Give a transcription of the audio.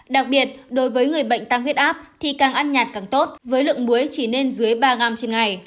đặc biệt đối với người bệnh tăng huyết áp thì càng ăn nhạt càng tốt với lượng muối chỉ nên dưới ba gram trên ngày